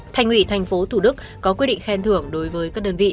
thành ủy tp hcm có quyết định khen thưởng đối với các đơn vị